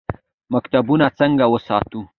مکتبونه څنګه وساتو؟